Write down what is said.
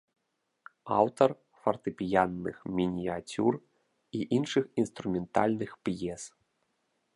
Аўтар фартэпіянных мініяцюр і іншых інструментальных п'ес.